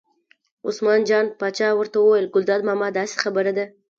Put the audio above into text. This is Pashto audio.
عثمان جان پاچا ورته وویل: ګلداد ماما داسې خبره ده.